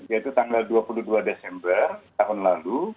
yaitu tanggal dua puluh dua desember tahun lalu